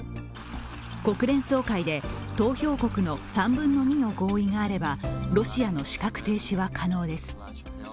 国連総会で投票国の３分の２の合意があればロシアの資格停止は可能です。